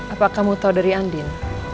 apakah kamu tahu dari andin